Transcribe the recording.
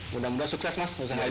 mudah mudah sukses mas